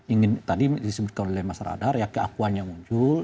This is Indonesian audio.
ingin tadi disebutkan oleh mas radar ya keakuannya muncul